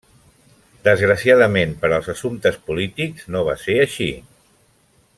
Desgraciadament per als assumptes polítics no va ser així.